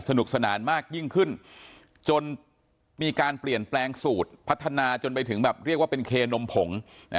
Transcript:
สนุกสนานมากยิ่งขึ้นจนมีการเปลี่ยนแปลงสูตรพัฒนาจนไปถึงแบบเรียกว่าเป็นเคนมผง